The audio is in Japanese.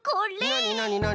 なになになに？